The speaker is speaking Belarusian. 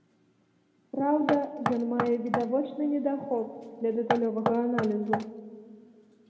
Праўда, ён мае відавочны недахоп для дэталёвага аналізу.